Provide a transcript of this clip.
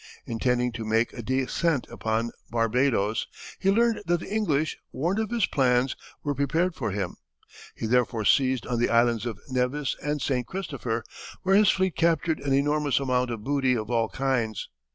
Intending to make a descent upon Barbadoes, he learned that the English, warned of his plans, were prepared for him. He therefore seized on the islands of Nevis and St. Christopher, where his fleet captured an enormous amount of booty of all kinds.